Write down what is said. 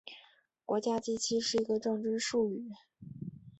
国家机器是一个政治术语。